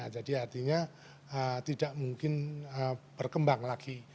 jadi artinya tidak mungkin berkembang lagi